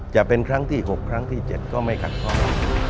จะเป็นครั้งที่๖ครั้งที่๗ก็ไม่ขัดข้อง